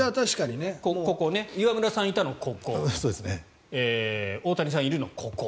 岩村さんがいたのはここ大谷さんがいるのはここ。